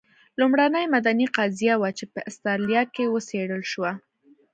لومړنۍ مدني قضیه وه چې په اسټرالیا کې وڅېړل شوه.